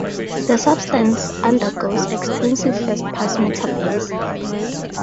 The substance undergoes extensive first-pass metabolism.